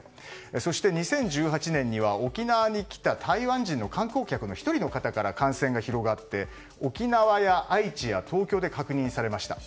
そして２０１８年には沖縄に来た台湾人の観光客の１人の方から感染が広がって沖縄や愛知や東京で確認されました。